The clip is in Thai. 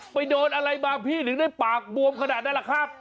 ไปโดนอะไรมาพี่ถึงได้ปากบวมขนาดนั้นแหละครับ